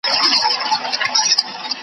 نر اوښځي ټول له وهمه رېږدېدله .